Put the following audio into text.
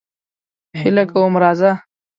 هیله کوم راځه.